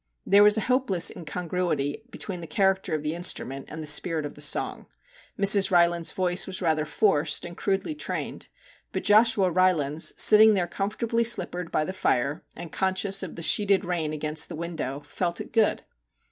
There was a hopeless incon gruity between the character of the instrument and the spirit of the song. Mrs. Rylands's voice was rather forced and crudely trained, but Joshua Ry lands, sitting there comfortably slippered by the fire, and conscious of the sheeted rain against the window, felt it good.